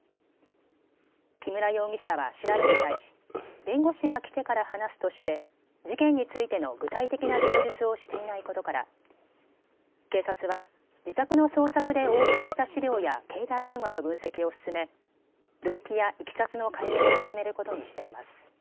木村容疑者は調べに対し弁護士が来てから話すとして事件についての具体的な供述をしていないことから警察は自宅の捜索で押収した資料や携帯電話の分析を進め動機やいきさつの解明を進めることにしています。